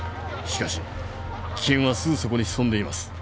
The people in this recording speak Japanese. しかし危険はすぐそこに潜んでいます。